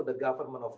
dan kamu tahu